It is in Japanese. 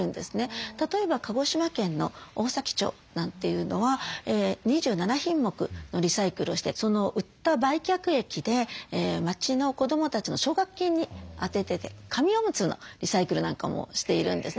例えば鹿児島県の大崎町なんていうのは２７品目のリサイクルをしてその売った売却益で町の子どもたちの奨学金に充ててて紙オムツのリサイクルなんかもしているんですね。